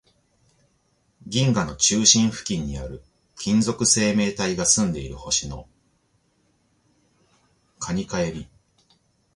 銀河の中心付近にある、金属生命体が住んでいる星の蟹か海老